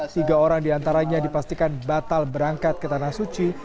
tiga orang diantaranya dipastikan batal berangkat ke tanah suci